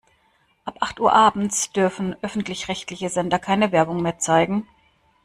Ab acht Uhr abends dürfen öffentlich-rechtliche Sender keine Werbung mehr zeigen.